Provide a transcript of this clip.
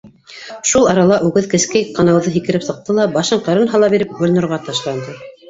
Шул арала үгеҙ кескәй канауҙы һикереп сыҡты ла, башын ҡырын һала биреп, Гөлнурға ташланды.